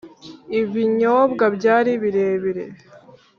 ibinyobwa byari birebire